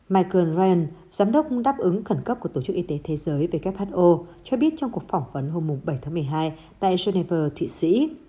michael rence giám đốc đáp ứng khẩn cấp của tổ chức y tế thế giới who cho biết trong cuộc phỏng vấn hôm bảy tháng một mươi hai tại geneva thụy sĩ